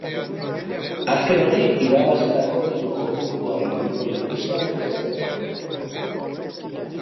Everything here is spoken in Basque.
Azken hori irabazitako diru-kopuruaren ondorio gisa aurkezten da.